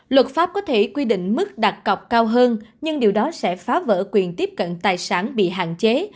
luật pháp có thể quy định mức đặt cọc cao hơn nhưng điều đó sẽ phá vỡ quyền tiếp cận tài sản bị hạn chế